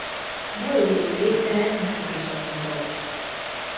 Valódi léte nem bizonyított.